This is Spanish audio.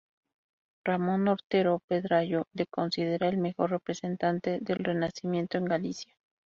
Ramón Otero Pedrayo le considera el mejor representante del Renacimiento en Galicia.